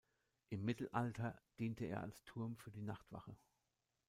Im Mittelalter diente er als Turm für die Nachtwache.